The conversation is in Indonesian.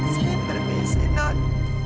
saya permisi nod